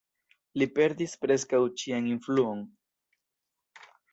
Li perdis preskaŭ ĉian influon.